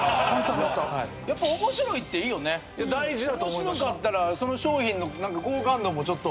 面白かったらその商品の好感度もちょっと。